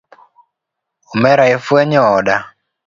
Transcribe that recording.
Omera ifwenyo oda.